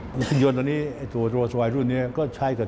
เครื่องยนต์ตัวโรซวอยด์รุ่นนี้ก็ใช้กับ